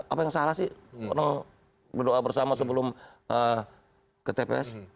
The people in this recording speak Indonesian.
apa yang salah sih berdoa bersama sebelum ke tps